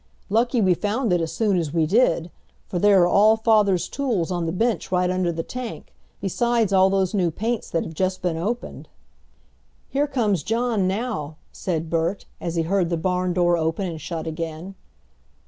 Lucky we found it as soon as we did, for there are all father's tools on the bench right under the tank, besides all those new paints that have just been opened." "Here comes John now," said Bert, as he heard the barn door open and shut again.